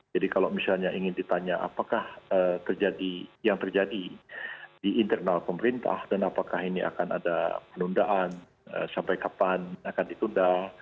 jadi kalau misalnya ingin ditanya apakah yang terjadi di internal pemerintah dan apakah ini akan ada penundaan sampai kapan akan ditunda